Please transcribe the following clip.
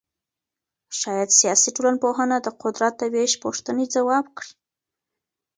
شاید سیاسي ټولنپوهنه د قدرت د وېش پوښتنې ځواب کړي.